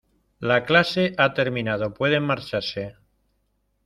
la clase ha terminado, pueden marcharse.